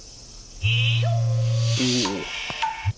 おお。